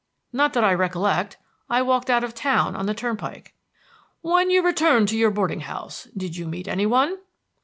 "Not that I recollect. I walked out of town, on the turnpike." "When you returned to your boarding house, did you meet any one?"